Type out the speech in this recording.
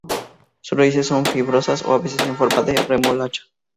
Sus raíces son fibrosas o, a veces en forma de remolacha.